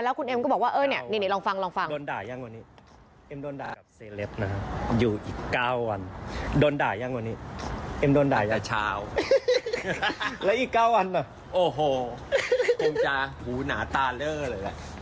แล้วยิ่งเก้าวันหหวุนาตาเลิ้ว